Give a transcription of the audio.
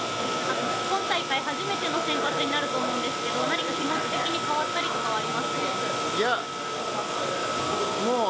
今大会初めての先発になると思うんですけど、何か気持ち的に変わったりとかはありますでしょうか？